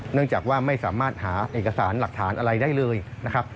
เนื่องจากว่าไม่สามารถหาเอกสารหลักฐานอะไรได้เลยนะครับ